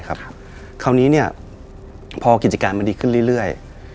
คราวนี้พอกิจการมาดีขึ้นเรื่อย